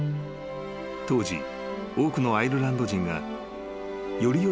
［当時多くのアイルランド人が］